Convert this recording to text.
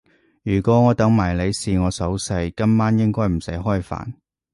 如果我等埋你試我手勢，今晚應該唔使開飯